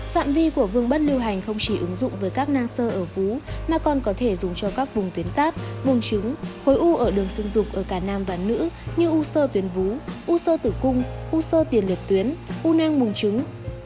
phạm vi của vương bất lưu hành không chỉ ứng dụng với các nang sơ ở vú mà còn có thể dùng cho các vùng tuyến giáp bùn trứng khối u ở đường sưng dục ở cả nam và nữ như u sơ tuyến vú u sơ tử cung u sơ tiền liệt tuyến u nang mùn trứng